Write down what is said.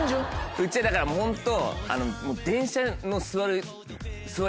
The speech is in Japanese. うちはだからホント。